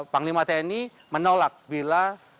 penglima tni menolak bila